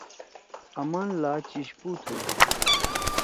آمان لا چیِش پُو تُھو۔